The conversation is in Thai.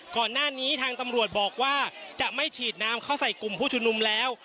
ก่อนหน้านี้ทางตำรวจบอกว่าจะไม่ฉีดน้ำเข้าใส่กลุ่มผู้ชุมนุมแล้ว